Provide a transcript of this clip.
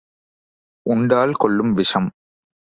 உண்டால் கொல்லும் விஷம்.